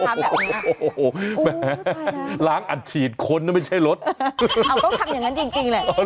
โอ้โฮแม้ล้างอัดฉีดคนไม่ใช่รถฮ่าฮ่าฮ่าฮ่าฮ่าฮ่าฮ่าฮ่าฮ่าฮ่าฮ่าฮ่าฮ่า